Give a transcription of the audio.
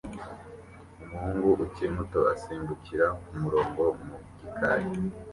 Umuhungu ukiri muto asimbukira kumurongo mu gikari